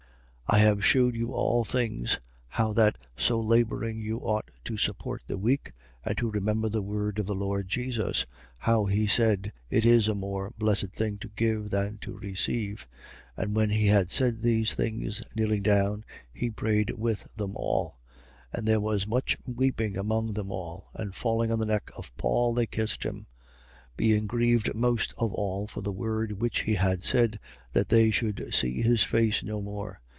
20:35. I have shewed you all things, how that so labouring you ought to support the weak and to remember the word of the Lord Jesus, how he said: It is a more blessed thing to give, rather than to receive. 20:36. And when he had said these things, kneeling down, he prayed with them all. 20:37. And there was much weeping among them all. And falling on the neck of Paul, they kissed him, 20:38. Being grieved most of all for the word which he had said, that they should see his face no more.